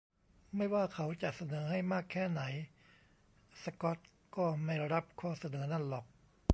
ไม่ว่าเขาจะเสนอให้มากแค่ไหน สกอตก็ไม่รับข้อเสนอนั่นหรอก